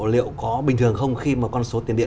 liệu có bình thường không khi mà con số tiền điện